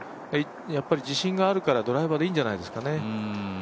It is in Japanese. やっぱり自信があるからドライバーでいいんじゃないですかね。